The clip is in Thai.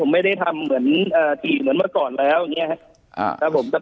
ได้ไหมก็เดินมาบอกได้ครับเดินมาบอกได้คุยกันดีดีนะ